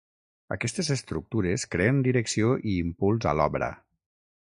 Aquestes estructures creen direcció i impuls a l'obra.